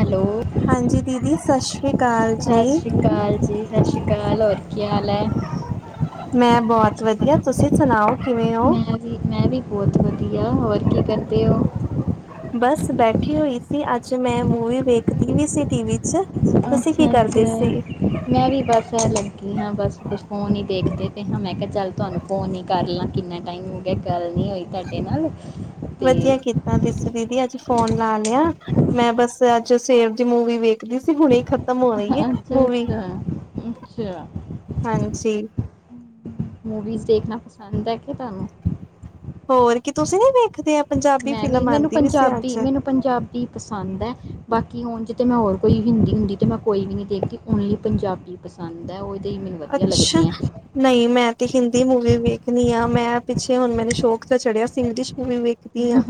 Hello, ਹਾਂਜੀ ਦੀਦੀ ਸਸ਼ ਰੀ ਕਾਲ ਜੀ। ਕਾਲ ਜੀ ਸਾਸ਼੍ਰੀਕਾਲ ਹੋਰ ਕੀ ਹਾਲ ਐ? ਮੈਂ ਬੌਤ ਵਧੀਆ ਤੁਸੀ ਸੁਣਾਓ ਕਿਵੇਂ ਓ? ਜੀ ਮੈਂ ਵੀ ਬੌਤ ਵਧੀਆ ਹੋਰ ਕੀ ਕਰਦੇ ਓ? ਬਸ ਬੈਠੀ ਹੋਈ ਸੀ ਅੱਜ ਮੈਂ ਮੂਵੀ ਵੇਖਦੀ ਵੀ ਸੀ ਟੀ ਵੀ ਚ। ਤੁਸੀ ਕੀ ਅੱਛਾ ਕਰਦੇ ਸੀ? ਅੱਛਾ ਮੈਂ ਵੀ ਬਸ ਐ ਲਗੀ ਹਾਂ ਬਸ ਕੁੱਛ ਫੋਨ ਹੀ ਦੇਖਦੇ ਪੇ ਹਾਂ ਮੈਂ ਕਿਆ ਚੱਲ ਤੁਆਨੂੰ ਫੋਨ ਈ ਕਰ ਲਾਂ ਕਿੰਨਾ ਟਾਈਮ ਹੋ ਗਿਆ ਗੱਲ ਨੀ ਹੋਈ ਤਾਡੇ ਨਾਲ। ਤੇ ਵਦੀਆ ਕੀਤਾ ਤੁਸੀ ਦੀਦੀ ਅੱਜ ਫੋਨ ਲਾ ਲਿਆ। ਮੈਂ ਬਸ ਅੱਜ ਸਵੇਰ ਦੀ ਮੂਵੀ ਵੇਖਦੀ ਸੀ ਹੁਣੇ ਈ ਖਤਮ ਖਤਮ ਹੋ ਰਈ ਏ ਅੱਛਾ ਮੂਵੀ ਅੱਛਾ ਅੱਛਾ ਹਾਂਜੀ। ਮੂਵੀਜ਼ ਦੇਖਣਾ ਪਸੰਦ ਐ ਕਿ ਤੁਆਨੂੰ? ਹੋਰ ਕੀ ਤੁਸੀ ਨੀ ਵੇਖਦੇ ਆ ਪੰਜਾਬੀ ਮੈਂ ਵੀ ਫਿਲਮ ਮੈਨੂੰ ਆਂਦੀ ਪਈ ਸੀ ਪੰਜਾਬੀ ਅੱਜ। ਮੈਨੂੰ ਪੰਜਾਬੀ ਪਸੰਦ ਐ ਬਾਕੀ ਉਂਜ ਤੇ ਮੈਂ ਹੋਰ ਕੋਈ ਹਿੰਦੀ ਹੁੰਦੀ ਤੇ ਮੈਂ ਕੋਈ ਵੀ ਨੀ ਦੇਖਦ ਓਨਲੀ ਪੰਜਾਬੀ ਪਸੰਦ ਐ ਓਦੇ ਈ ਮੈਨੂੰ ਵਦੀਆ ਲੱਗਦੀਆਂ। ਨਈ ਮੈਂ ਤੇ ਹਿੰਦੀ ਮੂਵੀ ਵੇਖਨੀ ਆਂ ਮੈਂ ਪਿੱਛੇ ਹੁਣ ਮੈਨੂੰ ਸ਼ੌਕ ਤੇ ਚੜ੍ਹਿਆ ਸੀ ਇਗਲਿਸ਼ ਮੂਵੀ ਵੇਖ ਈ ਆ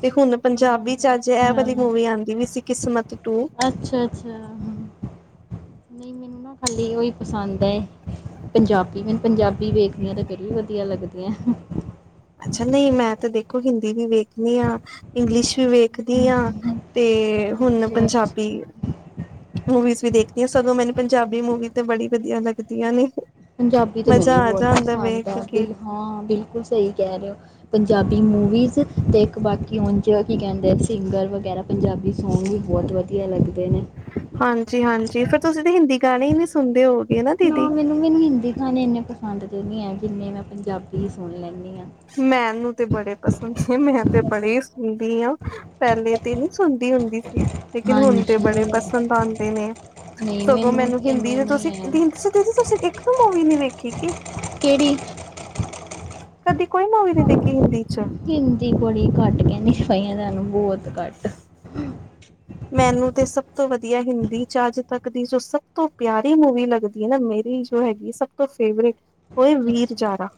ਤੇ ਹੁਣ ਪੰਜਾਬੀ ਚ ਅੱਜ ਐ ਅੱਛਾ ਵਾਲੀ ਮੂਵੀ ਆਂਦੀ ਵੀ ਸੀ ਕਿਸਮਤ ਟੂ। ਅੱਛਾ ਅੱਛਾ ਨਈ ਮੈਨੂੰ ਨਾ ਹਲੇ ਓਈ ਪਸੰਦ ਐ ਪੰਜਾਬੀ ਮੈਨੂੰ ਪੰਜਾਬੀ ਵੇਖਦੀਆਂ ਤੇ ਫੇਰ ਵੀ ਵਦੀਆ ਲੱਗਦੀਆਂ। ਅੱਛਾ ਨਈ ਮੈਂ ਤੇ ਦੇਖੋ ਹਿੰਦੀ ਵੀ ਵੇਖਨੀ ਆ ਇੰਗਲਿਸ਼ ਵੀ ਵੇਖਦੀ ਆਂ। ਤੇ ਹੁਨ ਅੱਛਾ ਅੱਛਾ ਪੰਜਾਬੀ ਮੂਵੀਜ਼ ਵੀ ਦੇਖਦੀ ਆਂ ਸਗੋਂ ਮੈਨੂੰ ਪੰਜਾਬੀ ਮੂਵੀ ਤੇ ਬੜੀ ਵਦੀਆ ਲੱਗਦੀਆਂ ਨੇ। ਪੰਜਾਬੀ ਤੇ ਮੈਨੂੰ ਮਜ਼ਾ ਵੀ ਆ ਬੌਤ ਜਾਂਦਾ ਪਸੰਦ ਆ ਵੇਖ ਕੇ ਬਿਲ ਹਾਂ ਬਿਲਕੁੱਲ ਸਈ ਕੈ ਰੇ। ਪੰਜਾਬੀ ਮੂਵੀਜ਼ ਤੇ ਇੱਕ ਬਾਕੀ ਹੁਣ ਜੋ ਕੀ ਕੈਂਦੇ ਸਿੰਗਰ ਵਗੈਰਾ ਪੰਜਾਬੀ ਸੌਂਗ ਵੀ ਬੌਤ ਵਧੀਆ ਲੱਗਦੇ ਨੇ। ਹਾਂਜੀ, ਹਾਂਜੀ ਫੇਰ ਤੁਸੀ ਤੇ ਹਿੰਦੀ ਗਾਣੇ ਈ ਨੀ ਸੁਨਦੇ ਹੋਓ ਨਾ ਮੈਨੂੰ, ਮੈਨੂੰ ਹਿੰਦੀ ਗਾਣੇ ਇੰਨੇ ਪਸੰਦ ਦੇ ਨੀ ਹੈ ਜਿੰਨੇ ਮੈਂ ਪੰਜਾਬੀ ਈ ਸੁਣ ਲੈਂਦੀ ਆਂ। ਮੈਨੂੰ ਤੇ ਬੜੇ ਪਸੰਦ ਸੀ ਮੈਂ ਤੇ ਬੜੇ ਸੁਣਦੀ ਆਂ। ਪੈਲੇ ਤੇ ਨੀ ਸੁਣਦੀ ਹੁੰਦੀ ਸੀ ਲੇਕਿਨ ਹੁਨ ਤੇ ਹਾਂਜੀ। ਬੜੇ ਪਸੰਦ ਆਂਦੇ ਨੇ। ਨਹੀਂ ਸਗੋਂ ਮੈਨੂੰ ਹਿੰਦੀ ਇੰਨੇ ਦੇ ਨਹੀਂ ਤੁਸੀ ਹੈ ਦੀ ਤੁਸੀ ਇੱਕ ਵੀ ਮੂਵੀ ਨੀ ਵੇਖੀ ਕੇ? ਕੇੜੀ? ਕਦੀ ਕੋਈ ਮੂਵੀ ਨੀ ਦੇਖੀ ਹਿੰਦੀ ਚ? ਹਿੰਦੀ ਬੜੀ ਘੱਟ ਕੈਨੀ ਪਈਆਂ ਤਾਨੂੰ ਬੌਤ ਘੱਟ। ਮੈਨੂੰ ਤੇ ਸਭ ਤੋਂ ਵਦੀਆ ਹਿੰਦੀ ਚ ਅੱਜ ਤੱਕ ਦੀ ਜੋ ਸਭ ਤੋਂ ਪਿਆਰੀ ਮੂਵੀ ਲੱਗਦੀ ਐ ਨਾ ਮੇਰੀ ਜੋ ਹੈਗੀ ਏ ਸਭ ਤੋ ਫੇਵਰੇਟ। ਓ ਈ ਵੀਰ ਅੱਛਾ। ਜਾਰਾ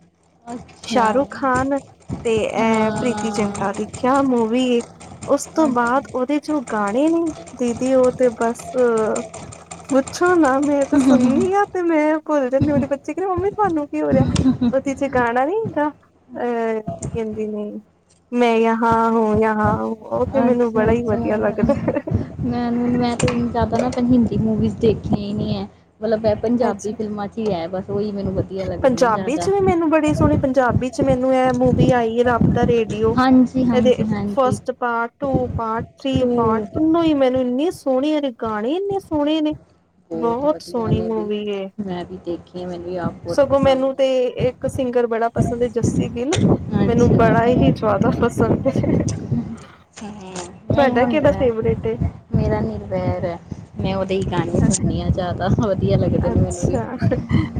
ਅੱਛਾ ਸ਼ਾਹਰੁ ਖਾਨ ਤੇ ਐ ਪ੍ਰੀਤੀ ਜਿੰ ਹਾਂ ਟਾ ਦੇਖਿਆ ਮੂਵੀ ਏ ਓਸ ਤੋਂ ਅੱਛਾ। ਬਾਅਦ ਓਦੇ ਚ ਗਾਣੇ ਨੇ ਦੀਦੀ ਓ ਤੇ ਬਸ ਪੁੱਛੋ ਨਾ। ਮੈਂ ਤੇ ਸੁਣਨੀ ਆਂ ਤੇ ਮੈਂ ਭੁੱਲ ਜਾਨੀ ਆਂ ਮੇਰੇ ਬੱਚੇ ਕੈਂਦੇ ਮੰਮੀ ਤਾਨੂੰ ਕੀ ਹੋ ਰੇਆ? ਹੁੰ ਹੁ ਓਦੇ ਚ ਗਾਣਾ ਨੀ ਹੁੰਦਾ ਅ ਕੀ ਕੈਂਦੇ ਨੇ ਮੈਂ ਯਹਾਂ ਹੁੰ ਯਹਾਂ ਓ ਤੇ ਮੈਨੂੰ ਅੱਛਾ ਬੜਾ ਈ ਵਧੀਆ ਅੱਛਾ ਲੱਗਦੈ। ਮੈਂ ਮੈਂ ਤੇ ਜਆਦਾ ਨਾ ਹਿੰਦੀ ਮੂਵੀਜ਼ ਦੇਖੀਆਂ ਈ ਨੀ ਹੈ ਮਲਬ ਐ ਪੰਜਾਬੀ ਅੱਛਾ ਫਿਲਮਾਂ ਚ ਈ ਹੈ ਬਸ। ਓ ਈ ਮੈਨੂੰ ਵਦੀ ਪੰਜਾਬੀ ਚ ਵੀ ਮੈਨੂੰ ਬੜੀ ਸੋਨੀ ਪੰਜਾਬੀ ਚ ਮੈਨੂੰ ਐ ਮੂਵੀ ਆਈ ਏ ਰੱਬ ਦਾ ਰੇਡ ਹਾਂਜੀ ਇਦੇ ਹਾਂਜੀ ਹਾਂਜੀ। First part two part three ਤੂੰ ਪਾਰਟ ਤੀਨੋ ਈ ਮੈਨੂੰ ਏਨੇ ਸ ਸੋਹਣੇ ਨੇ ਗਾਣੇ ਇੰਨੇ ਸੋਹਣੇ ਨੇ ਬਹੁਤ ਵਧੀਆ ਸੋਹਣੀ ਨੇ ਵੀ ਮੂਵੀ ਏ। ਮੈਂ ਵੀ ਦੇਖੀ [unintelligible] ਸਗੋਂ ਮੈਨੂੰ ਪਸੰਦ ਹੈ। ਤੇ ਏਕ ਸਿੰਗਰ ਬੜਾ ਪਸੰਦ ਏ ਜੱਸੀ ਗਿੱਲ ਮੈਨੂੰ ਅੱਛਾ, ਬੜਾ ਈ ਜਾਦਾ ਪਸੰਦ ਏ। ਹੂੰ ਐ ਈ ਹੂੰਦੈ। ਫੇਵਰੇਟ ਏ ਮੇਰਾ ਨਿਰਵੈਰ ਐ, ਮੈਂ ਉਦੇ ਈ ਗਾਨੇ ਸੁਨਨੀ ਆਂ ਜਾਦਾ ਵਧੀਆ ਲੱਗਦੇ ਨੇ ਮੈਨੂੰ ਵੀ। [inaudible]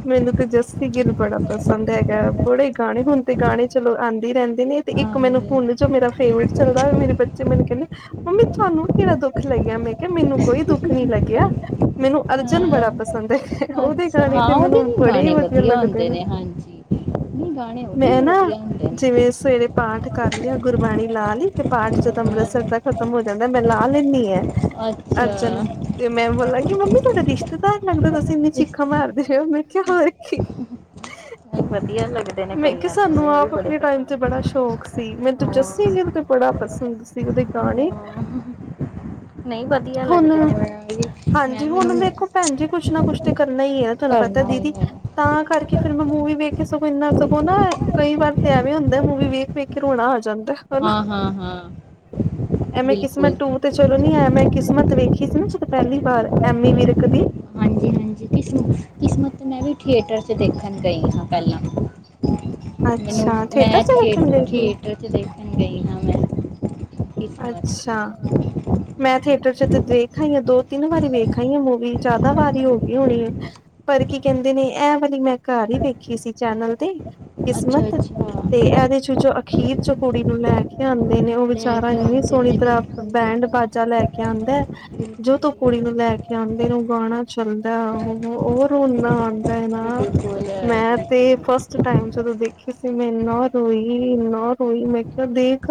ਮੈਨੂੰ ਤੇ ਜੱਸੀ ਗਿੱਲ ਬੜਾ ਪਸੰਦ ਹੈਗੈ, ਬੜੇ ਗਾਣੇ ਹੁਣ ਤੇ ਗਾਣੇ ਚਲੋ ਆਂਦੇ ਰੈਂਦੇ ਨੇ ਤੇ ਏਕ ਮੈਨੂੰ ਹਾਂਜੀ। ਹੁਣ ਜੋ ਮੇਰਾ ਫੇਵਰੇਟ ਚੱਲਦਾ ਮੇਰੇ ਬੱਚ ਚੇ ਮੈਨੂੰ ਕੈਂਦੇ ਮੰਮੀ ਤੁਹਾਨੂੰ ਕੇੜਾ ਦੁੱਖ ਲੱਗਿਆ, ਮੈਂ ਕਿਆ ਮੈਨੂੰ ਕੋਈ ਦੁੱਖ ਨੀ ਲੱਗਿਆ। ਮੈਨੂੰ ਅਰਜਨ ਹਾਂ ਬੜਾ ਪਸੰਦ ਏ। ਉਦੇ ਅੱਛਾ ਗਾਣੇ ਹਾਂ ਤੇ ਉਹਦੇ ਮੈਨੂੰ ਵੀ ਬੜੇ ਈ ਗਾਣੇ ਵਧੀਆ ਲੱਗਦੇ ਹੁੰਦੇ ਨੇ। ਹਾਂਜੀ। ਨਹੀਂ ਗਾਣੇ ਉਹਦੇ ਵੀ ਮੈਂ ਨਾ ਵਧੀਆ ਹੁੰਦੇ ਨੇ ਜਿਵੇਂ ਸਵੇਰੇ ਪਾਠ ਕਰ ਲਿਆ ਗੁਰਬਾਣੀ ਲਾ ਲੀ ਤੇ ਪਾਠ ਜਦੋਂ ਅੰਮ੍ਰਿਤਸਰ ਦਾ ਖਤਮ ਹੋ ਜਾਂਦਾ, ਮੈਂ ਲਾ ਲੈਂਨੀ ਏ। ਅੱਛਾ। ਅਰਜਨ, ਤੇ ਮੈਂ ਬੋਲਾਂਗੀ ਮੰਮੀ ਤੁਹਾਡਾ ਰਿਸ਼ਤੇਦਾਰ ਲੱਗਦਾ ਤੁਸੀਂ ਇੰਨੀ ਚਿਖਾ ਮ ਮਾਰਦੇ ਹੋ। ਮੈਂ ਕਿਆ ਹੋਰ ਕਿ। ਵਧੀਆ ਲੱਗ ਮੈਂ ਕਿਆ ਸਾਨੂੰ ਆਪਨੇ ਟਾਇਮ ਤੇ ਬੜਾ ਸ਼ੌਕ ਸੀ, ਮੈਨੂੰ ਤੂੰ ਜੱਸੀ ਗਿੱਲ ਹਾਂ। ਤੇ ਬੜਾ ਪਸੰਦ ਸੀ। ਸੀ ਉਦੇ ਗਾਣੇ ਨਈ ਵਧੀਆ ਹੁਣ ਲੱਗਦੇ ਨੇ ਮੈ ਵੀ ਮੈਂ ਹਾਂਜੀ ਹੁਨ ਮੈਨੂੰ ਵੇਖੋ ਭੈਣ ਜੀ ਕੁਛ ਨਾ ਕੁਛ ਤਾਂ ਕਰਨਾ ਈ ਐ, ਤੁਹਾਨੂੰ ਪਤਾ ਕਰਨਾ ਹੀ ਦੀਦੀ ਹੈ। ਤਾਂ ਕਰਕੇ ਫੇਰ ਮੈਂ ਮੂਵੀ ਵੇਖ ਕੇ ਸਗੋਂ ਏਨਾ ਸਗੋਂ ਨਾ ਕਈ ਵਾਰ ਤੇ ਐਵੇਂ ਹੁੰਦੈ, ਮੂਵੀ ਵੇਖ-ਵੇਖ ਕੇ ਰੋਣਾ ਆ ਜਾਂਦੈ। ਹਾਂ ਹਾਂ ਹਾਂ ਐਵੇਂ ਕਿਸਮਤ ਬਿਲਕੁਲ। ਟੂ ਤੇ ਚਲੋ ਨੀ ਐਂ ਮੈਂ ਕਿਸਮਤ ਵੇਖੀ ਸੀ ਨਾ ਜਦੋਂ ਪੈਲੀ ਵਾਰ ਐਮੀ ਵਿਰਕ ਦੀ ਹਾਂਜੀ ਹਾਂਜੀ ਕਿਸਮਤ-ਕਿਸਮਤ ਤੇ ਮੈਂ ਵੀ ਥੀਏਟਰ ਚ ਦੇਖਣ ਗਈ ਹਾਂ ਪੈਲਾਂ। ਮੈਨੂੰ ਅੱਛਾ ਥੀਏਟਰ ਮੈਂ ਚ ਥੀਏ ਵੇਖਣ ਗਏ ਸੀ ਥੀਏਟਰ 'ਚ ਦੇਖਣ ਗਈ ਨਾ ਮੈਂ ਕਿਸਮਤ ਅੱਛਾ ਮੈਂ ਥੀਏਟਰ ਚ ਤੇ ਦੇਖ ਆਈ ਆਂ, ਦੋ ਤਿੰਨ ਵਾਰੀ ਵੇਖ ਆਂਈ ਆ ਮੂਵੀ ਜਾਦਾ ਵਾਰੀ ਹੋ ਗਈ ਹੋਨੀ ਏ। ਪਰ ਕੀ ਕੈਂਦੇ ਨੇ ਐ ਵਾਲੀ ਮੈਂ ਘਾਰ ਈ ਵੇਖੀ ਸੀ ਚੈਨਲ ਤੇ। ਅੱਛਾ ਕਿਸਮਤ, ਅੱਛਾ ਤੇ ਐਦੇ ਵਿਚੋ ਅਖੀਰ ਚ ਕੁੂੜੀ ਨੂੰ ਲੈ ਕੇ ਆਂਦੇ ਨੇ ਉ ਲੈ ਵਿਚਾਰਾ ਕੇ ਇੰਨੀ ਆਉਂਦੇ ਸੋਹਣੀ ਨੇ ਤਰ੍ਹਾਂ ਬਿਲਕੁਲ ਬੈਂਡ ਬਾਜਾ ਲੈ ਕੇ ਆਂਦੈ। ਬਿਲਕੁਲ ਬਿਲਕੁਲ ਜਦੋਂ ਕੁੜੀ ਨੂੰ ਲੈ ਕੇ ਆਂਦੇ, ਉ ਗਾਣਾ ਚੱਲਦੈ ਉਹ- ਉਹ ਰੋਨਾ ਆਂਦਾ ਏ ਨਾ। ਬਿਲਕੁਲ ਮੈਂ ਤੇ ਬਿਲਕੁਲ ਫਸਟ ਟਾਈਮ ਜਦੋਂ ਦੇਖੀ ਸੀ, ਮੈਂ ਇੰਨਾ ਰੋਈ-ਇੰਨਾ ਰੋਈ ਮੈ ਅ ਦੇਖ,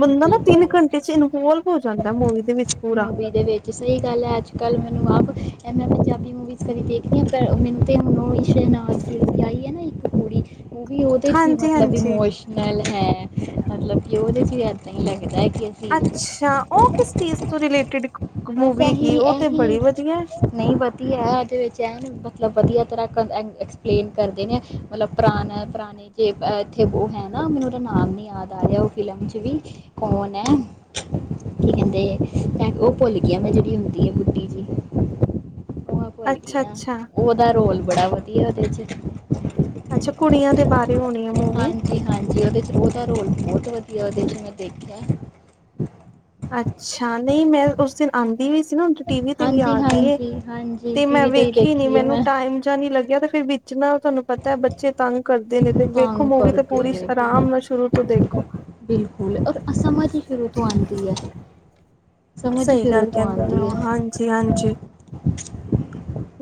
ਬੰਦਾ ਨਾ ਤਿੰਨ ਬਿਲਕੁਲ ਘੰਟੇ ਚ ਇਨਵੋਲਵ ਹੋ ਜਾਂਦੈ ਮੂਵੀ ਦੇ ਵਿੱਚ ਪੂਰਾ। ਮੂਵੀ ਵਿੱਚ ਸਈ ਗੱਲ ਐ, ਅੱਜ- ਕੱਲ ਮੈਨੂੰ ਆਪ ਪੰਜਾਬੀ ਮੂਵੀਜ਼ ਕਦੀ ਦੇਖਦੀ ਆਂ, ਪਰ ਮੈਨੂੰ ਤੇ ਹੁਣ ੳ [inaudible] ਇੱਕ ਕੁੜੀ ਉ ਵੀ ੳਦੇ ਚ ਵੀ ਹਾਂਜੀ ਮਤਲਬ ਹਾਂਜੀ ਬਮੋਸ਼ ਨਾਲ ਹੈ ਮਤਲਬ ਕਿ, ੳਦੇ ਚ ਵੀ ਇੱਦਾਂ ਹੀ ਲੱਗਦਾ ਏ ਕਿ ਅਸੀਂ ਅੱਛਾ, ਉ ਕਿਸ ਚੀਜ਼ ਤੋਂ ਰਿਲੇਟਿਡ ਮੂਵੀ ਹੈਗੀ? ਉ ਤੇ ਬੜੀ ਵਧੀਐ। ਨਈ ਵਧੀਆ ਐ ਇਦੇ ਵਿੱਚ ਮਤਲਬ ਵਧੀਆ ਤਰ੍ਹਾਂ ਐਕਸਪਲੇਨ ਕਰਦੇ ਨੇ, ਮਤਲਬ ਪੁਰਾਣਾ ਪੁਰਾਣੇ ਜੇ ਇਹ ਇੱਥੇ ਉਹ ਹੈ ਨਾ, ਮੈਨੂੰ ਉਹਦਾ ਨਾਮ ਨਹੀਂ ਯਾਦ ਆ ਰਿਹਾ ਉਹ ਫਿਲਮ 'ਚ ਵੀ ਕੌਣ ਏ ਕੀ ਕਹਿੰਦੇ ਉਹ ਭੁੱਲਗਿਆ ਮੈਂ ਜਿਹੜੀ ਹੁੰਦੀ ਏ ਬੁੱਟੀ ਜਿ ਭੁੱਲ ਅੱਛਾ ਗਿਆ, ਅੱਛਾ ਉਹਦਾ ਰੋਲ ਬੜਾ ਵਧੀਆ ਉਹਦੇ ਚ ਅੱਛਾ, ਕੁੜੀਆਂ ਦੇ ਬਾਰੇ ਹੋਨੀ ਏ ਮੂਵੀ ਜੀ ਹਾਂਜੀ, ਉਹਦੇ ਚ ਉਹਦਾ ਰੋਲ ਬਹੁਤ ਵਦੀਆ ਉਹਦੇ ਚ ਮੈਂ ਦੇਖਿਆ ਅੱਛਾ, ਨਹੀਂ ਮੈਂ ਉਸ ਦਿਨ ਆੰਦੀ ਵੀ ਸੀ ਨਾ, ਹੁਣ ਟੀ ਵੀ ਤੇ ਵੀ ਆ ਹਾਂਜੀ ਗਈ ਹਾਂਜੀ ਹਾਂਜੀ ਤੇ ਮੈਂ ਟੀਵੀ ਹੀ ਵੇਖੀ ਨੀ ਦੇਖੀ ਹੈ ਮੈਨੂੰ ਮੈਂ ਟਾਈਮ ਨੀ ਲੱਗਿਆ ਤੇ ਫਿਰ ਵੀ ਜਿਨਾ ਤੁਹਾਨੂੰ ਪਤਾ ਏ, ਬੱਚੇ ਤੰਗ ਕਰਦੇ ਨੇ, ਤੇ ਵੇਖੋ ਤੰਗ ਮੂਵੀ ਤਾਂ ਕਰਦੇ ਪੂਰੀ ਨੇ ਬਿਲ- ਆਰਾਮ ਨਾਲ ਸ਼ੁਰੂ ਤੋਂ ਦੇਖੋ ਬਿਲਕੁਲ ਔਰ ਅ ਸਮਝ ਈ ਸ਼ੁਰੂ ਤੋਂ ਆਉਂਦੀ ਐ ਸਮਝ ਈ ਸ਼ੁਰੂ ਤੋਂ ਆੰਦੀ ਏ ਜੀ ਹਾਂਜੀ।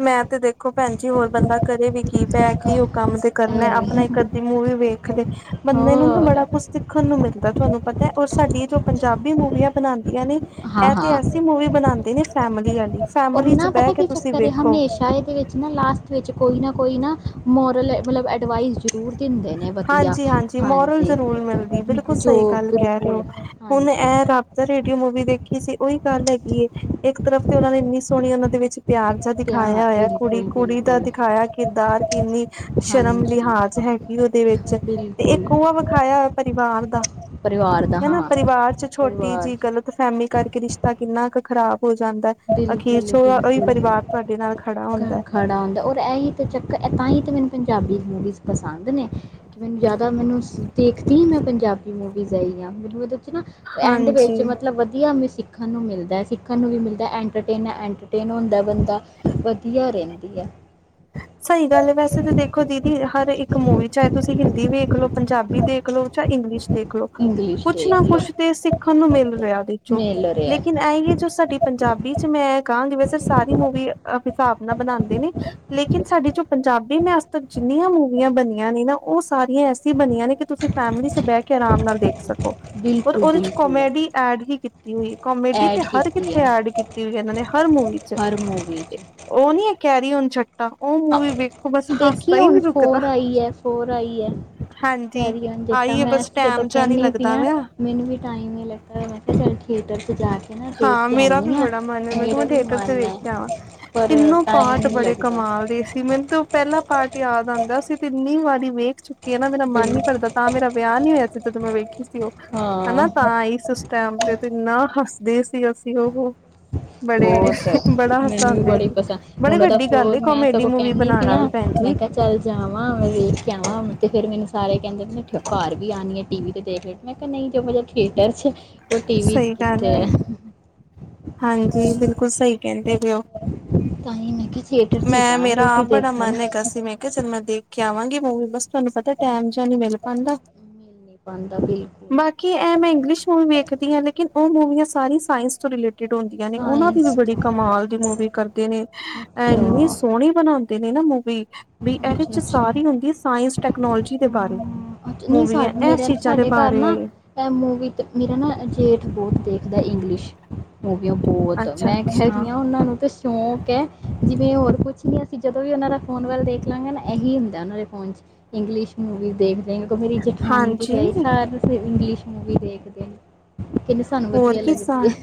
ਮੈ ਤੇ ਦੇਖੋ ਭੈਣ ਜੀ ਹੋਰ ਬੰਦਾ ਕਰੇ ਵੀ ਕੀ ਪੈ ਕੀ ਉਹ ਕੰਮ ਤੇ ਕਰਨਾ ਇਹ ਆਪਨੇ ਇੱਕ -ਅੱਧੀ ਮੂਵੀ ਵੇਖ ਲੀ ਬੰਦੇ ਨੂੰ ਨਾ ਹੋਰ ਬੜਾ ਕੁਛ ਸਿੱਖਣ ਨੂੰ ਮਿਲਦਾ ਤੁਹਾਨੂੰ ਪਤਾ ਔਰ ਸਾਡੀ ਜੋ ਪੰਜਾਬੀ ਮੂਵੀਆਂ ਬਨਾੰਦੀਆਂ ਨੇ ਹਾਂ ਇਹ ਤੇ ਹਾਂ ਐਸੀ ਮੂਵੀ ਬਨਾੰਦੇ ਨੇ ਫੈਮਿਲੀ ਵਾਲੀ ਫੈਮਿਲੀ ਚ ਬਹਿ ਕੇ ਤੁਸੀਂ ਵੇਖੋ ਉਹ ਵਿੱਚ ਨਾ ਲਾਸਟ ਵਿੱਚ ਕੋਈ ਨਾ ਕੋਈ ਨਾ ਮੋਰਲ ਮਤਲਬ ਐਡਵਾਈਸ ਜ਼ਰੂਰ ਦਿੰਦੇ ਨੇ ਹਾਂਜੀ, ਹਾਂਜੀ। ਮੋਰਲ ਜਰੂਰ ਮਿਲਦੀ ਬਿਲਕੁਲ ਜੋ ਸਹੀ ਗੱਲ ਕਹਿ ਰਹੇ ਔ ਬਿਲਕੁਲ ਹੁਨ ਹਾਂਜੀ ਇਹ ਰਬ ਰੇਡੀਓ ਮੂਵੀ ਦੇਖੀ ਸੀ, ਉਹੀ ਗੱਲ ਹੈਗੀ ਏ, ਇੱਕ ਤਰਫ ਤੇ ਉਹਨਾਂ ਨੇ ਇੰਨੀ ਸੋਹਣੀ ਉਹਨਾਂ ਦੇ ਵਿੱਚ ਪਿਆਰ ਧਿਆਨ ਦਿਖਾਇਆ ਹੋਇਆ ਬਿਲਕੁਲ ਕੁੜੀ-ਕੁੜੀ ਦਾ ਬਿਲਕੁਲ ਦਿਖਾਇਆ ਕਿਰਦਾਰ ਕਿੰਨੀ ਸ਼ਰਮ- ਹਾਂਜੀ ਲਿਹਾਜ਼ ਹੈਗੀ ਉਹਦੇ ਵਿੱਚ, ਤੇ ਬਿਲਕੁਲ ਇੱਕ ਔ ਵਿਖਾਇਆ ਪਰਿਵਾਰ ਦਾ ਪਰਿਵਾਰ ਦਾ ਹੈਨਾ ਹਾਂ ਪਰਿਵਾਰ ਚ ਛੋਟੀ ਪਰਿਵਾਰ ਜਿਹੀ ਗ਼ਲਤ ਫਹਿਮੀ ਕਰਕੇ ਰਿਸ਼ਤਾ ਕਿੰਨਾ ਕੁ ਖ਼ਰਾਬ ਹੋ ਜਾਂਦਾ ਅਖੀਰ ਚ ਬਿਲਕੁਲ ਉਹੀ ਬਿਲਕੁਲ ਪਰਿਵਾਰ ਤੁਹਾਡੇ ਨਾਲ ਖੜਾ ਘਰ ਹੁੰਦਾ ਖੜਾ ਹੁੰਦਾ, ਔਰ ਇਹੀ ਤਾਂ ਚੱਕਰ ਇਹ ਤਾਂਹੀ ਤਾਂ ਮੈਨੂੰ ਪੰਜਾਬੀ ਮੂਵੀਜ਼ ਪਸੰਦ ਨੇ਼ ਕਿ ਮੈਨੂੰ ਜ਼ਿਆਦਾ ਮੈਨੂੰ ਦੇਖਦੀ ਈ ਮੈਂ ਪੰਜਾਬੀ ਮੂਵੀਜ਼ ਐਹੀ ਹਾਂ, ਮੈਨੂੰ ਉਹਦੇ ਵਿੱਚ ਨਾ ਐਂਡ ਹਾਂਜੀ। ਵਿੱਚ ਮਤਲਬ ਵਦੀਆ ਵੀ ਸਿੱਖਣ ਨੂੰ ਮਿਲਦਾ ਸਿੱਖਣ ਨੂੰ ਵੀ ਮਿਲਦਾ ਦਾ ਐਟਰਟੇਨ-ਐੰਟਰਟੇਨ ਹੁੰਦਾ ਬੰਦਾ, ਵਦੀਆ ਰਹਿੰਦੀ ਏ ਸਹੀ ਗੱਲ ਏ ਵੈਸੇ ਤਾਂ ਦੇਖੋ ਦੀਦੀ ਹਰ ਇੱਕ ਮੂਵੀ ਚਾਹੇ ਤੁਸੀਂ ਹਿੰਦੀ ਵੇਖ ਲਓ, ਪੰਜਾਬੀ ਦੇਖ [unintelligible] ਇੰਗਲਿਸ਼ ਦੇਖਲੋ ਇੰਗਲਿਸ਼ ਕੁਛ ਦੇਖ ਨਾ ਲਓ ਕੁਛ ਤੇ ਸਿੱਖਨ ਨੂੰ ਮਿਲ ਰਿਹਾ ਵਿੱਚੋ, ਮਿਲ ਰਿਹਾ ਲੇਕਿਨ ਹੈ। ਐਂ ਈ ਏ ਜੋ ਸਾਡੀ ਪੰਜਾਬੀ ਚ ਮੈਂ ਕਾਅੰਗੀ ਵੈਸੇ ਸਾਰੀ ਮੂਵੀ ਅ ਹਿਸਾਬ ਨਾਲ ਬਨਾੰਦੇ ਨੇ ਲੇਕਿਨ ਸਾਡੀ ਜੋ ਪੰਜਾਬੀ ਮੈਂ ਅੱਜ ਤੱਕ ਜਿੰਨੀਆਂ ਮੂਵੀਆਂ ਬਨੀਆਂ ਨੇ ਨਾ ਉਹ ਸਾਰੀਆਂ ਐਸੀ ਬਨੀਆਂ ਨੇ ਕਿ ਤੁਸੀਂ ਫੈਮਿਲੀ ਚ ਬਹਿ ਕੇ ਆਰਾਮ ਨਾਲ ਦੇਖ ਸਕੋ ਉਰ ਬਿਲਕੁਲ ਉਹਦੇ ਚ ਬਿਲਕੁਲ ਕੋਮੇਡੀ ਐਡ ਹੀ ਕੀਤੀ ਹੋਈ ਕਮੇਡੀ ਐਡ ਤੇ ਹਰ ਕੀਤੀ ਕਿੱਥੇ ਹੈ ਐਡ ਕੀਤੀ ਕੀ ਕਹਿੰਦੇ ਨੇ ਹਰ ਮੂਵੀ ਚ ਹਰ ਮੂਵੀ ਚ ਉਹ ਨੀ ਐ ਕੈਰੀ ਔਨ ਜਟ ਦੇਖੀ ਏ ਹੁਣ ਰੁਕਦਾ। ਫੋਰ ਆਈ ਏ ਫੋਰ ਆਈ ਏ ਹਾਂਜੀ ਕੈਰੀ ਔਨ ਜਟਾ ਆਈ ਹੈ ਮੈਂ ਬਸ ਜਦੋ ਟੈਮ ਜਿਹਾ ਨੀ ਕਹਿੰਨੀ ਪਈ ਲੱਗਦਾ ਆ ਪਿਆ ਮੈਨੂੰ ਵੀ ਟਾਈਮ ਨਹੀ ਲੱਗਦਾ ਮੈਂ ਕਿਹਾ ਚੱਲ ਥੀਏਟਰ ੲਚ ਜਾ ਕੇ ਨਾ ਦੇਖ ਹਾਂ ਕੇ ਮੇਰਾ ਵੀ ਆਉਂਦੀ ਹਾਂ ਬੜਾ ਮਨ ਏ ਮੈ ਕਿਆ ਮੇਰਾ ਵੀ ਥੀਏਟਰ ਚ ਮਨ ਵੇਖ ਹੈ ਕੇ ਆਵਾਂ, ਪਰ ਤਿੰਨੋ ਟਾਈਮ ਪਾਟ ਨਹੀਂ ਬੜੇ ਲੱਗਦਾ ਕਮਾਲ ਦੇ ਸੀ ਮੈਨੂੰ ਤੋਂ ਉਹ ਪਹਿਲਾ ਪਾਰਟ ਯਾਦ ਆੰਦਾ ਸੀ, ਕਿਹਨੀ ਵਾਰੀ ਵੇਖ ਚੁੱਕੀ ਕੀ ਏ ਨਾ ਮੇਰਾ ਮਨ ਬਿਲ ਨੀ ਭਰਦਾ ਤਾਂ ਮੇਰਾ ਵਿਆਹ ਨੀ ਹੋਇਆ ਸੀ ਜਦੋਂ ਮੈਂ ਵੇਖੀ ਸੀ ਉਹ ਹਾਂ ਹੈਂਨਾ ਤਾਂ ਆਈ ਸੀ ਟੈਮ ਤੇ ਤੇ ਇੰਨਾ ਹੱਸਦੇ ਸੀ ਅਸੀਂ ਉਹ ਹੋ ਮੈਨੂੰ ਵੀ ਬੜੀ ਪਸੰਦ ਬੜੀ ਹੁਨ ਉਹਦਾ ਵੱਡੀ ਗੱਲ ਏ ਫੋਨ ਮੈਂ ਕਾਮੇਡੀ ਸਗੋਂ ਮੂਵੀ ਕਹਿੰਨੀ ਪਇ ਬਣਾਉਣਾ ਆ ਵੀ ਭੈਣ ਮੈਂ ਜੀ ਕਿਹਾ ਕਲ ਜਾਵਾਂ ਵੇਖ ਕੇ ਆਵਾਂ ਤੇ ਫਿਰ ਮੈਨੂੰ ਸਾਰੇ ਕਹਿੰਦੇ ਨੇ ਘਰ ਵੀ ਆਨੀ ਏ ਟੀ-ਵੀ ਤੇ ਦੇਖ ਲਈ ਮੈਂ ਕਿਆ ਨਈ ਜੇ ਮਜਾ ਥੀਏਟਰ 'ਚ ਉਹ ਟੀਵੀ 'ਚ ਸਹੀ ਗੱਲ ਕਿਥੇ ਐ। ਏ। ਹਾਂਜੀ, ਬਿਲਕੁਲ ਸਹੀ ਕਹਿੰਦੇ ਪਏ ਓ। ਤਾਂ ਹੀ ਮੈਂ ਕਿਹਾ ਥੀਏਟਰ 'ਚ ਹੀ ਮੈਂ ਜਾਵਾਂਗੇ ਮੇਰਾ ਅਸੀਂ ਆਪ ਬੜਾ ਦੇਖਣ ਮਨ ਹੈਗਾ ਸੀ, ਮੈਂ ਕੇ ਚਲ ਮੈਂ ਦੇਖ ਕੇ ਆਵਾਂਗੀ ਮੂਵੀ ਬਸ, ਤੁਹਾਨੂੰ ਪਤਾ ਟੈਮ ਜੇਆ ਨੀ ਮਿਲ ਪਾਣਦਾ। ਮਿਲ ਨਹੀਂ ਪਾਂਦਾ ਬਿਲਕੁਲ। ਬਾਕੀ ਇਹ ਮੈਂ ਇੰਗਲਿਸ਼ ਮੂਵੀ ਵੇਖਦੀ ਆ ਲੇਕਿਨ ਉ ਮੂਵੀਆਂ ਸਾਰੀ ਸਾਇਸ ਤੋਂ ਰਿਲੇਟਡ - ਹੁੰਦੀਆਂ ਨੇ ਉਹਨਾਂ ਦੀ ਸਾਇੰਸ ਵੀ ਬੜੀ ਤੋਂ ਕਮਾਲ ਦੀ ਮੂਵੀ ਕਰਦੇ ਨੇ। ਅੱਛਾ ਇੰਨੀ ਸੋਹਣੀ ਬਣਾਉਂ ਨੇ ਨਾ ਮੂਵੀ ਵੀ ਇਹਦੇ'ਚ ਅੱਛਾ ਅੱਛਾ ਸਾਰੀ ਹਾਂ ਹੁੰਦੀ ਏ ਸਾਇੰਸ ਟੈਕਨੋਲੋਜੀ ਦੇ ਬਾਰੇ। ਅੱਛਾ, ਨਹੀਂ ਮੂਵੀਆਂ ਸਾਡ ਇਹ ਮੇਰੇ ਚੀਜ਼ਾਂ ਦੇ ਸਾਡੇ ਘਰ ਬਾਰੇ ਨਾ ਇਹ ਮੂਵੀ ਤੇ ਮੇਰਾ ਨਾ ਜੇਠ ਬੋਤ ਦੇਖਦਾ ਏ ਇੰਗਲਿਸ਼ ਮੂਵੀਆਂ ਬੋਤ ਮੈਂ ਅੱਛਾ-ਅੱਛਾ ਕਹਿਦੀ ਹਾਂ ਉਹਨਾਂ ਨੂੰ ਤੇ ਸ਼ੌਂਕ ਹੈ, ਜਿਵੇਂ ਹੋਰ ਕੁਛ ਨੀ ਅਸੀਂ ਜਦੋਂ ਵੀ ਉਹਨਾਂ ਦਾ ਫੋਨ ਵੱਲ ਦੇਖ ਲਵਾਂਗੇ ਨਾ ਇਹੀ ਹੁੰਦਾ ਉਹਨਾਂ ਦੇ ਫੋਨ'ਚ। ਇੰਗਲਿਸ਼ ਮੂਵੀਜ਼ ਦੇਖਦੇ ਨੇ ਤੇ ਕਦੀ ਉਹਦੇ ਵਿੱਚ ਹਾਂਜੀ ਜੇਠਾਣੀ ਤੇ ਬਈ ਸਾਰੇ ਇੰਗਲਿਸ਼ ਮੂਵੀ ਦੇਖਦੇ ਨੇ। ਸਾਨੂੰ ਹੋਰ ਵਧੀਆ ਕਿ ਸਾ ਲੱਗਦੀ ਐ? ਹੈ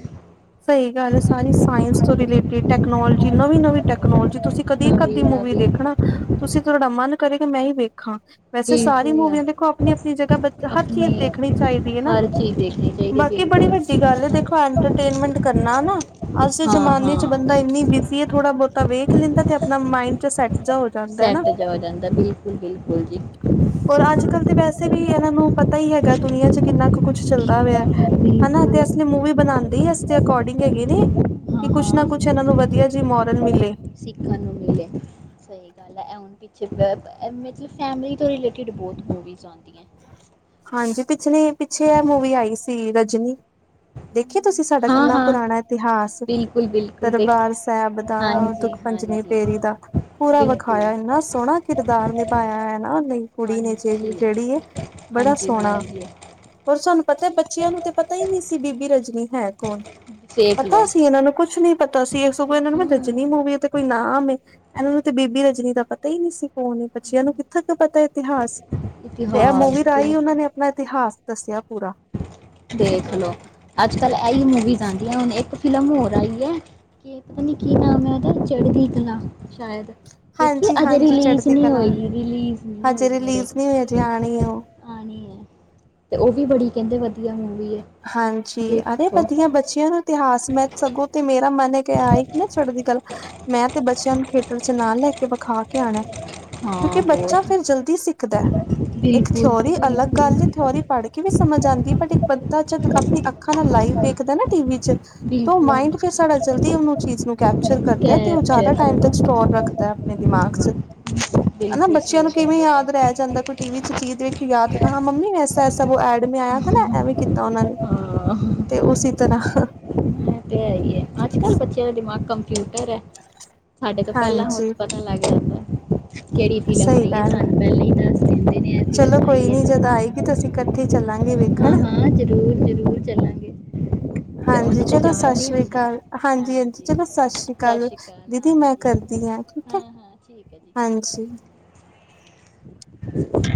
ਸਹੀ ਗੱਲ ਏ। ਸਾਰੀ ਸਾਇੰਸ ਤੋਂ ਰਿਲੇਟਿਡ ਟੈਕਨੋਲੋਜੀ ਨਵੀਂ-ਨਵੀਂ ਟੈਕਨੋਲੋਜੀ ਤੁਸੀਂ ਕਦੀ ਇਕ ਨਵੀਂ ਅੱਧੀ ਮੂਵੀ ਨਵੀਂ ਦੇਖਣਾ, ਤੁਸੀਂ ਤੁਹਾਡਾ ਮਨ ਕਰੇ ਕਿ ਮੈਂ ਏ ਹੀ ਵੇਖਾਂ। ਵੈਸੇ ਸਾਰੀ ਬਿਲਕੁਲ ਮੂਵੀਆਂ ਦੇਖੋ ਆਪਣੀ-ਆਪਣੀ ਜਗਾ ਬ ਹਰ ਚੀਜ਼ ਆਪਣੀ ਦੇਖਣੀ ਚਾਹੀਦੀ ਐ ਨਾ, ਹਰ ਚੀਜ਼ ਦੇਖਣੀ ਚਾਹੀਦੀ ਬਾਕੀ ਬੜੀ ਵੱਡੀ ਬਿਲਕੁਲ ਗੱਲ ਏ, ਦੇਖੋ ਇੰਟਰਟੇਨਮੈਂਟ ਕਰਨਾ ਹਨਾ ਅੱਜ ਦੇ ਹਾਂ ਜਮਾਨੇ'ਚ ਬੰਦਾ ਹਾਂ ਇੰਨੀ ਬਿਜ਼ੀ ਏ ਥੋੜਾ ਬੋਤਾ ਵੇਖ ਲੈਂਦਾ ਤੇ ਆਪਣਾ ਮਾਈਂਡ'ਚ ਸੈਟ। ਸੈਟ ਜਾ ਹੋ ਜਾਂਦਾ, ਬਿਲਕੁਲ-ਬਿਲਕੁਲ ਜੀ। ਪਰ ਅੱਜ-ਕੱਲ ਤਾਂ ਬਿਲਕੁਲ ਵੈਸੇ ਵੀ ਇਹਨਾਂ ਨੂੰ ਪਤਾ ਹੀ ਹੈਗਾ ਦੁਨੀਆਂ'ਚ ਕਿੰਨਾ ਕੁ ਕੁਛ ਚੱਲਦਾ ਪਇਆ। ਇਸ ਲਈ ਮੂਵੀ ਬਣਾਂਦੇ ਈ ਇਸਦੇ ਅਕੋਡਿੰਗ ਹੈਗੇ ਨੇ ਹਾਂ ਕਿ ਕੁਛ ਨਾ ਹਾਂ ਕੁਛ ਇਹਨਾ ਨੂੰ ਵਧੀਆ ਜਿ ਮੋਰਲ ਮਿਲੇ। ਸਿੱਖਣ ਨੂ ਮਿਲੇ। ਸਹੀ ਗੱਲ ਹੈ, ਇਹ ਹੁਣ ਪਿੱਛੇ ਮਤਲਬ ਫੈਮਲੀ ਤੋਂ ਰਿਲੇਟਿਡ ਬੋਤ ਮੂਵੀਜ਼ ਆਂਦੀਆਂ। ਹਾਂਜੀ, ਪਿਛਲੇ ਪਿੱਛੇ ਇਹ ਮੂਵੀ ਆਈ ਸੀ, 'ਰਜਨੀ'। ਦੇਖੀਏ ਤੁਸੀਂ? ਸਾਡਾ ਹਾਂ ਕਿੰਨਾ ਹਾਂ ਪੁਰਾਣਾ ਇਤਿਹਾਸ ਬਿਲਕੁਲ ਬਿਲਕੁਲ ਦੇਖ ਦਰਬਾਰ ਸਾਹਿਬ ਦਾ ਹਾਂਜੀ ਦੁਖ- ਪੰਜਵੀਂ ਹਾਂਜੀ ਪੇਰੀ ਤਕ, ਪੂਰਾ ਬਿਲਕੁਲ ਵਿਖਾਇਆ ਇੰਨਾ ਸੋਹਣਾ ਕਿਰਦਾਰ ਨਿਭਾਇਆ ਹੈਨਾ ਨੇ - ਕੁੜੀ ਨੇ ਹਾਂਜੀ ਵਿਚੇ ਜੇਹੜੀ ਏ? ਬੜਾ ਹਾਂਜੀ ਸੋਹਣਾ ਹਾਂਜੀ ਹੋਰ ਸਾਨੂੰ ਪਤਾ, ਬੱਚਿਆਂ ਨੂੰ ਤਾਂ ਪਤਾ ਹੀ ਨਹੀਂ ਸੀ ਬੀਬੀ ਰਜਨੀ ਹੈ ਕੌਣ? ਦੇਖ ਲਓ ਪਤਾ ਸੀ ਇਹਨਾਂ ਨੂੰ? ਕੁਛ ਨੀ ਪਤਾ ਸੀ ਸੁ ਇਹਨਾਂ ਨੂੰ ਮੈਂ 'ਰਜਨੀ' ਮੂਵੀ ਤੇ ਕੋਈ ਨਾਮ ਐ। ਇਹਨਾਂ ਨੂੰ ਤੇ ਬੀਬੀ ਰਜਨੀ ਦਾ ਪਤਾ ਹੀ ਨੀ ਸੀ ਕੌਣ ਏ। ਬਚਿਆਂ ਨੂੰ ਕਿੱਥੇ ਕੋ ਪਤਾ ਇਤਿਹਾਸ ਤੇ ਇਹ ਇਤਿਹਾਸ ਮੂਵੀ ਤੇ ਰਾਹੀਂ ਉਹਨਾਂ ਨੇ ਆਪਣਾ ਇਤਿਹਾਸ ਦੱਸਿਆ ਪੂਰਾ। ਦੇਖ ਲਓ। ਅੱਜ-ਕੱਲ ਇਹੀ ਮੂਵੀਜ਼ਸ ਆਂਦਿਆਂ ਹੁਣ ਇੱਕ ਫਿਲਮ ਹੋਰ ਆਈ ਹੈ ਕਿ ਪਤਾ ਨੀ ਕੀ ਨਾਮ ਹੈ ਉਹਦਾ 'ਚੜਦੀ ਕਲਾ' ਸ਼ਾਇਦ। ਦੇਖੀ ਏ, ਹਾਂਜੀ ਅਜੇ ਹਾਂਜੀ ਰਿਲੀਜ਼ ਚੜ੍ਹਦੀ ਨਹੀਂ ਕਲਾ ਹੋਈ, ਰਿਲੀਜ਼ ਨਹੀਂ ਹਜੇ ਹੋਈ ਮੇਰੇ ਰਿਲੀਜ਼ ਨਹੀਂ ਹੋਈ ਹਜੇ ਆਣੀ ਉਹ ਆਂਣੀ ਐ ਤੇ ਉ ਵੀ ਬੜੀ ਕਹਿੰਦੇ ਵਧੀਆ ਮੂਵੀ। ਹੈ ਹਾਂਜੀ ਅਰੇ ਦੇਖੋ ਵਧੀਆ ਬੱਚਿਆਂ ਨੂੰ ਇਤਿਹਾਸ ਨਾਲ ਸਗੋਂ ਤੇ ਮੇਰਾ ਮਨ ਹੈ ਕਿ ਏ ਆਏਗੀ ਨਾ ਚੜਦੀਕਲਾ ਮੈਂ ਤੇ ਬੱਚਿਆਂ ਨੂੰ ਥੀਏਟਰ'ਚ ਨਾਲ ਲੈ ਕੇ ਵਿਖਾ ਕੇ ਆਣਾ ਐ। ਹਾਂ ਕਿਉਂਕਿ ਬੱਚਾ ਬਹੁਤ ਫੇਰ ਜਲਦੀ ਸਿੱਖਦਾ। ਇੱਕ ਬਿਲਕੁਲ ਜੀ ਥਿਊਰੀ ਅਲੱਗ ਗੱਲ ਐ, ਬਿਲਕੁਲ ਥਿਊਰੀ ਪੜ ਕੇ ਵੀ ਸਮਝ ਆਂਦੀ ਬਟ ਇੱਕ ਬੰਦਾ ਜਦ ਆਪਣੀ ਅੱਖਾਂ ਨਾਲ ਲਾਈਵ ਵੇਖਦਾ ਨਾ ਟੀਵੀ 'ਚ ਤੇ ਉ ਬਿਲਕੁਲ ਮਾਇੰਡ ਫੇਰ ਸਾਡਾ ਜਲਦੀ ਉ ਚੀਜ਼ ਨੂੰ ਕੈਪਚਰ ਕਰਦਾ ਹੈ ਤੇ ਉਹ ਜਾ਼ਦਾ ਕੈਪਚਰ ਟਾਈਮ ਤੱਕ ਸਟੋਰ ਕਰ ਰੱਖਦਾ ਆਪਣੇ ਦਿਮਾਗ ਚ, ਹਨਾ ਬਿਲਕੁਲ ਬੱਚਿਆਂ ਸਹੀ ਨੂੰ ਕਿਵੇਂ ਕਹਿੰਦੇ ਯਾਦ ਰਹਿ ਜਾਂਦਾ ਕੋਈ ਟੀਵੀ'ਚ ਚੀਜ਼ ਦੇਖ ਯਾਦ ਰਖ, ਪਏ ਹਾਂ ਮੰਮੀ ਐਸਾ-ਐਸਾ ਐਡ ਮੇਂ ਆਇਆ ਥਾਨਾ, ਐਵੇਂ ਕੀਤਾ ਉਹਨਾਂ ਨੇ। ਹਾਂ ਤੇ ਉਸੀ ਤਰਾਂ ਐ ਤੇ ਹੈ ਈ ਏ, ਅੱਜ ਕੱਲ ਬੱਚਿਆਂ ਦਾ ਦਿਮਾਗ ਕੰਪਿਊਟਰ ਐ ਸਾਡੇ ਤੋ ਪਹਿਲਾਂ ਉਂਝ ਹਾਂਜੀ ਪਤਾ ਲੱਗ ਜਾਂਦਾ, ਕਿਹੜੀ ਫੀਲਮ ਸਹੀ ਆਈਂ ਏ ਗੱਲ ਐ। ਸਾਨੂੰ ਪਹਿਲੇ ਈ ਦੱਸ ਦਿੰਦੇ ਨੇ ਇਹ ਫਿਲਮ ਚਲੋ ਕੋਈ ਆਈ ਹੈ ਨੀ ਜੱਦ ਆਏਗੀ ਤਾ ਅਸੀ ਕੱਠੇ ਈ ਚੱਲਾਂਗੇ ਹਾਂ ਵੇਖਣ ਹਾਂ, ਜ਼ਰੂਰ -ਜ਼ਰੂਰ ਚੱਲਾਂਗੇ, ਤੇ ਓਜ ਤੇ ਜਾ ਸ਼ਾਸ੍ਰੀ ਕਾਲ, ਹਾਂਜੀ- ਹਾਂਜੀ ਚਲੋ ਸ਼ਾਸ੍ਰੀ ਸਤਿ ਕਾਲ। ਸ਼੍ਰੀ ਅਕਾਲ ਦੀਦੀ ਮੈਂ ਹਾਂਜੀ ਕਰਦੀ ਆ, ਠੀਕ ਹਾਂ ਐ। ਹਾਂਜੀ [inaudible]